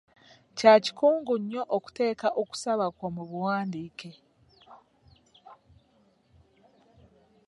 Kya kikungu nnyo okuteeka okusaba kwo mu buwandiike.